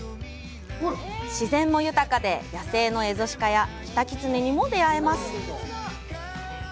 自然も豊かで、野生のエゾシカやキタキツネにも出会えます。